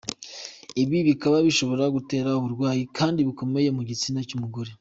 Ibi bikaba bishobora gutera uburwayi kandi bukomeye mu gitsina cy’umugore.